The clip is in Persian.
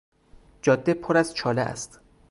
جاده پر از چاله است.